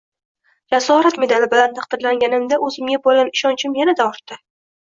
“Jasorat” medali bilan taqdirlanganimda oʻzimga boʻlgan ishonchim yanada ortdi.